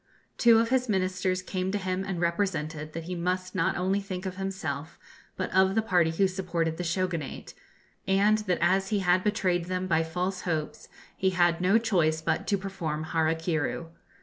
Two of his Ministers came to him and represented that he must not only think of himself, but of the party who supported the Shogunate, and that as he had betrayed them by false hopes he had no choice but to perform Hara kiru.